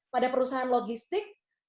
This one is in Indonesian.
pada perusahaan logistik